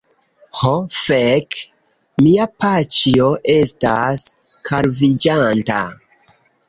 Ho fek', mia paĉjo estas kalviĝanta!